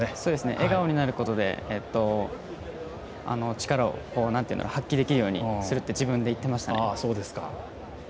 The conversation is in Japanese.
笑顔になることで力を発揮できるようにするって自分で言っていましたね。